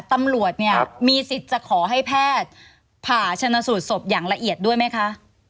ตำรวจเนี่ยมีสิทธิ์จะขอให้แพทย์ผ่าชนสูตรศพอย่างละเอียดด้วยไหมคะ